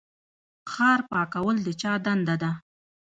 ښار پاکول د چا دنده ده؟